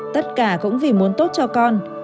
tất cả cũng vì muốn tốt cho con